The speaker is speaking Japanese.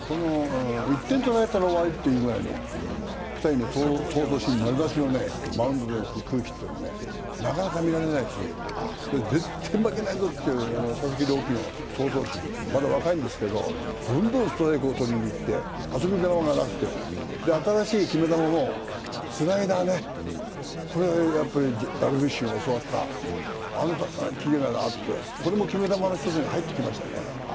１点取られたら終わりってぐらいの２人の闘争心丸出しのマウンドでの空気っていうのはなかなかみられないし絶対負けないぞという佐々木朗希の闘争心、まだ若いんですけど、どんどんストライクをとりにいって遊び球がなくて、新しい決め球もスライダーね、これやっぱりダルビッシュに教わった、キレがあって、これも決め球の一つに入ってきましたね。